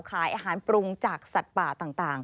ขายอาหารปรุงจากสัตว์ป่าต่าง